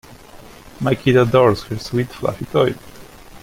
My kid adores her sweet fluffy toy.